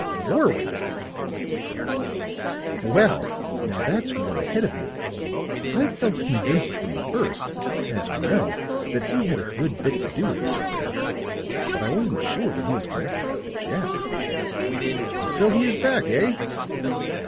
"Warwick!" he cried. "Well, now that's one ahead of me. I've felt convinced from the first, as you know, that he had a good bit to do with this affair; but I wasn't sure that he was connected with the Jap. And so he is back, eh?"